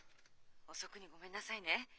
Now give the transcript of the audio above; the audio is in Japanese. ☎遅くにごめんなさいね。